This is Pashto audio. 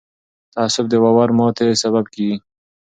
تعصب د باور ماتې سبب کېږي